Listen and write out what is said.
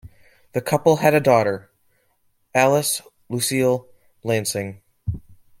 The couple had a daughter, Alice Lucille Lansing.